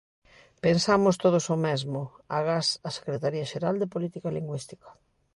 Pensamos todos o mesmo, agás a Secretaría Xeral de Política Lingüística.